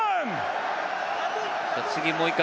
次、もう１回